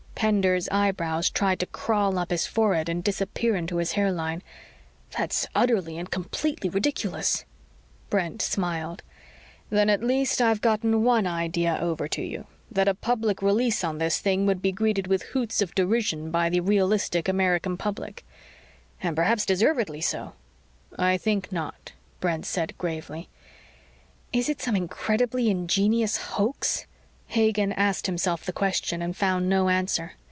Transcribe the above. Pender's eyebrows tried to crawl up his forehead and disappear into his hairline. "That's utterly and completely ridiculous." Brent smiled. "Then, at least, I've gotten one idea over to you that a public release on this thing would be greeted with hoots of derision by the realistic American public." "And perhaps deservedly so?" "I think not," Brent said gravely. Is it some incredibly ingenious hoax? Hagen asked himself the question and found no answer.